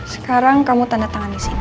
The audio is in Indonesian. sekarang kamu tanda tangan di sini